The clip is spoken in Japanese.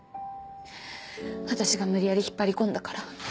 私が無理やり引っ張り込んだから。